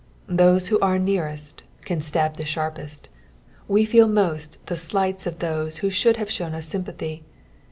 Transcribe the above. Those who are nearest can stab the sharpest. We feel moat the slights of those who should have shown ua sympathy.